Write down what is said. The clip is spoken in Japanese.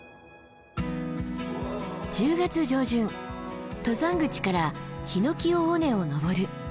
１０月上旬登山口から檜尾尾根を登る。